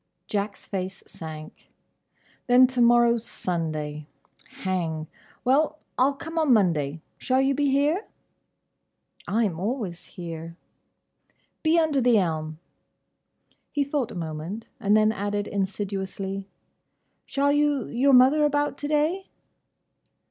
Jack's face sank. "Then to morrow 's Sunday. Hang. Well! I'll come on Monday. Shall you be here?" "I am always here." "Be under the elm." He thought a moment, and then added insidiously, "Shall you your mother about to day?"